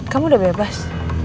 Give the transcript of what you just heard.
kamu udah bebas